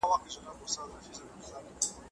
که تاریخ ولولو نو تېروتنې نه تکراریږي.